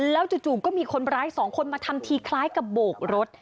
แล้วจู่ก็มีคนร้ายสองคนมาทำทีคล้ายกับโบกรถ